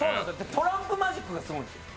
トランプマジックがすごいんです。